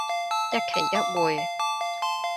一期一會